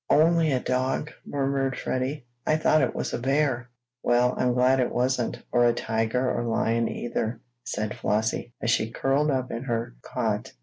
"Only a dog!" murmured Freddie. "I thought it was a bear!" "Well, I'm glad it wasn't, or a tiger or lion, either," said Flossie, as she curled up in her cot.